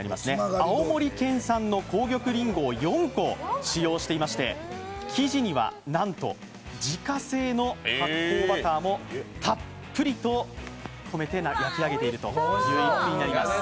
青森県産の紅玉りんごを４個、利用しておりまして生地にはなんと自家製の発酵バターもたっぷりと込めて焼き上げているという一品になります。